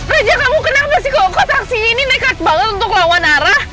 raja kamu kenapa sih kok kotak sini ini nekat banget untuk lawan arah